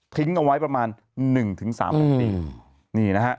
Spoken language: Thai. ทิ้งเอาไว้ประมาณ๑๓ประมาณนี้